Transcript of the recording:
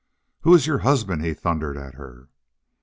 "Who is your husband?" he thundered at her.